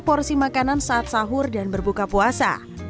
porsi makanan saat sahur dan berbuka puasa